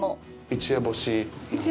一夜干し？